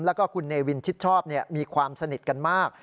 แล้วก็คุณเนวินชิดชอบมีความสนิทกันมาก